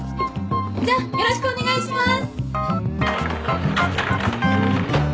じゃよろしくお願いします。